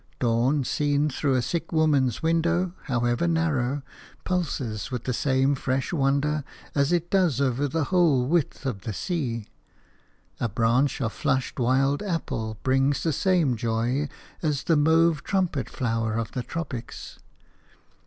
Dawn, seen through a sick woman's window, however narrow, pulses with the same fresh wonder as it does over the whole width of the sea. A branch of flushed wild apple brings the same joy as the mauve trumpet flower of the tropics.